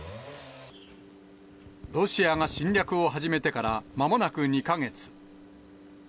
ロシアが侵略を始めてから、まもなく２か月。